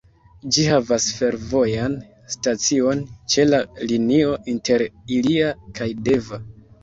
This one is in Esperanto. Ĝi havas fervojan stacion ĉe la linio inter Ilia kaj Deva.